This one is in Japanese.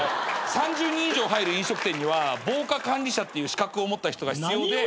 ３０人以上入る飲食店には防火管理者っていう資格を持った人が必要で。